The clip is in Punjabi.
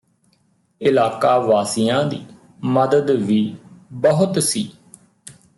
ਇਲਾਕਾ ਵਾਸੀਆਂ ਦੀ ਮਦਦ ਵੀ ਬਹੁਤ ਸੀ